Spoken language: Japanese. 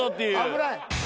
危ない。